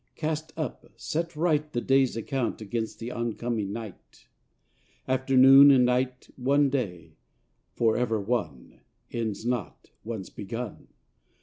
Cast up, set right The day's account against the on coming night. 9 After noon and night, one day For ever one Ends not, once begun.